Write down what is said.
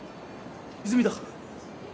泉だ